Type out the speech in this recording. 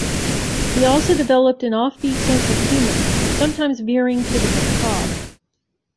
He also developed an offbeat sense of humor, sometimes veering to the macabre.